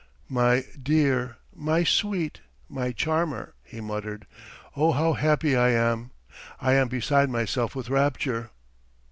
"My dear, my sweet, my charmer," he muttered. "Oh how happy I am! I am beside myself with rapture!"